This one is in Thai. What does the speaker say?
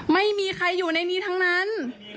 ไม่มีใครอยู่ในนี้ทั้งนั้น